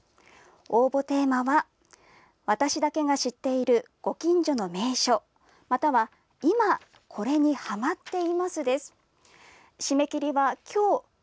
応募テーマは「わたしだけが知っている、ご近所の名所」または「いま、これにハマっています」。